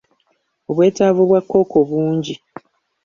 Obwetaavu bwa kkooko bungi.